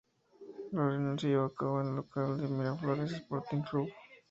La reunión se llevó a cabo en el local del Miraflores Sporting Club.